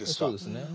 そうですね。